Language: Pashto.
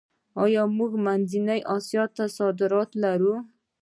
آیا موږ منځنۍ اسیا ته صادرات لرو؟